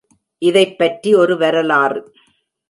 இதைப்பற்றி ஒரு வரலாறு.